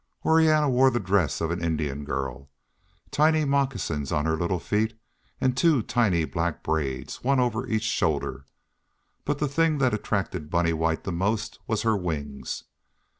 Orianna wore the dress of an Indian girl, tiny moccasins on her little feet and two tiny black braids, one over each shoulder, but the thing that attracted Bunny White the most was her wings.